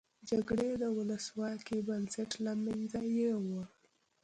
جګړې د ولسواکۍ بنسټ له مینځه یوړ.